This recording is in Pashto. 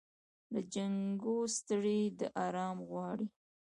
له جنګو ستړې ده آرام غواړي